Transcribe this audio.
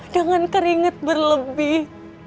dengan keringet berlebih